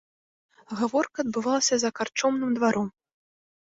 Гаворка адбывалася за карчомным дваром.